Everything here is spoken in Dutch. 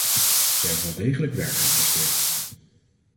Zij heeft heel degelijk werk gepresteerd.